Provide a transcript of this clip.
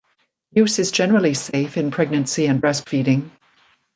Use is generally safe in pregnancy and breastfeeding.